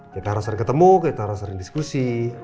kita harus sering ketemu kita harus sering diskusi